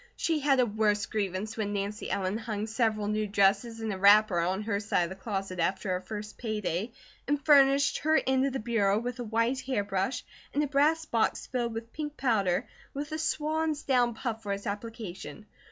She had a worse grievance when Nancy Ellen hung several new dresses and a wrapper on her side of the closet after her first pay day, and furnished her end of the bureau with a white hair brush and a brass box filled with pink powder, with a swan's down puff for its application.